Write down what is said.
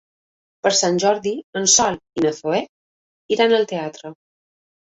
Per Sant Jordi en Sol i na Zoè iran al teatre.